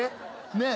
ねえ？